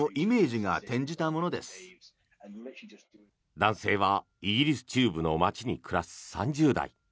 男性はイギリス中部の街に暮らす３０代。